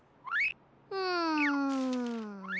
うん。